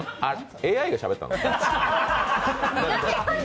ＡＩがしゃべったの？